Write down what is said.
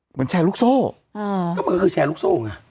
เหมือนแชร์ลูกโซ่อ่าก็เหมือนกับแชร์ลูกโซ่ไง